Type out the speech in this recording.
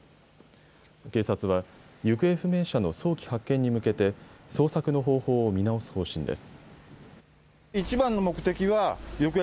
警察は行方不明者の早期発見に向けて捜索の方法を見直す方針です。